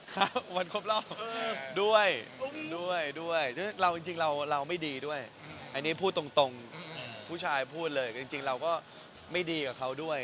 ครับวันครบรอบด้วยด้วยเราจริงเราไม่ดีด้วยอันนี้พูดตรงผู้ชายพูดเลยจริงเราก็ไม่ดีกับเขาด้วย